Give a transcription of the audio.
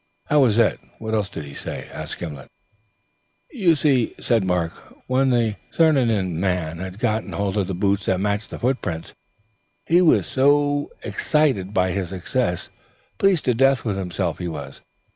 "How was that? What else did he say?" "You see," said Mark, "when the Crianan man had got hold of the boots that matched the footprints, he was no end excited by his success. Pleased to death with himself, he was.